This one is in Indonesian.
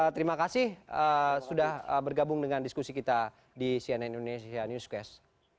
terima kasih sudah bergabung dengan diskusi kita di cnn indonesia newscast